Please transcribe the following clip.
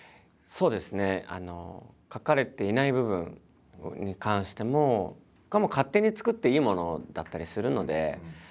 そうですね。書かれていない部分に関してもこれはもう勝手に作っていいものだったりするので。